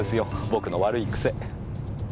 僕の悪い癖。